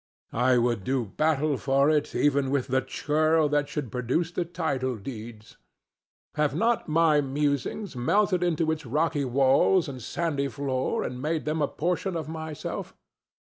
I would do battle for it even with the churl that should produce the title deeds. Have not my musings melted into its rocky walls and sandy floor and made them a portion of myself?